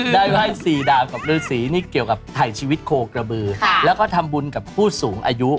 ไหว้สี่ดาวกับฤษีนี่เกี่ยวกับไถ่ชีวิตโคกระบือแล้วก็ทำบุญกับผู้สูงอายุ